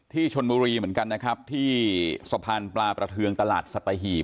ที่ชนบุรีเหมือนกันนะครับที่สะพานปลาประเทืองตลาดสัตหีบ